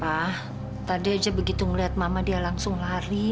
wah tadi aja begitu ngeliat mama dia langsung lari